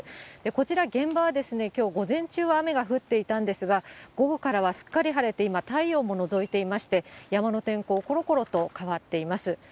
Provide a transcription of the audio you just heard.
こちら、現場はきょう午前中は雨が降っていたんですが、午後からはすっかり晴れて、今、太陽ものぞいていまして、山の天候、ころころと変わっています。